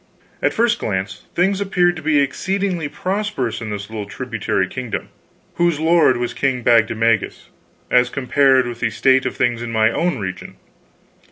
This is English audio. At a first glance, things appeared to be exceeding prosperous in this little tributary kingdom whose lord was King Bagdemagus as compared with the state of things in my own region.